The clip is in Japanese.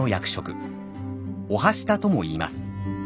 「御半下」とも言います。